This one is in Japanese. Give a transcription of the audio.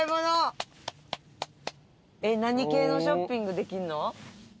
何系のショッピングできんの？